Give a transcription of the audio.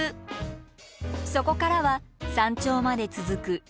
そこからは山頂まで続く石段の連続。